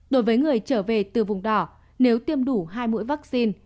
đối với người trở về từ vùng đỏ nếu tiêm đủ hai mũi vaccine